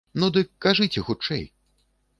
Ну, дык кажыце хутчэй.